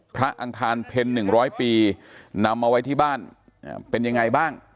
อังคารเพ็ญ๑๐๐ปีนำมาไว้ที่บ้านเป็นยังไงบ้าง